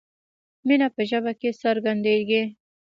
مینه په ژبه کې څرګندیږي.